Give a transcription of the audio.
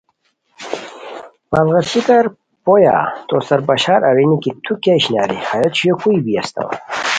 پڑغچیھیکار پویا تو سار بشار ارینی کی تو کیہ اشناری ہیہ چھویو کوئی بی اسیتاو؟